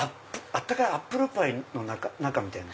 温かいアップルパイの中みたい？